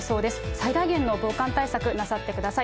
最大限の防寒対策、なさってください。